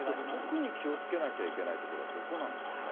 特に気をつけなきゃいけないところはどこなんでしょうね。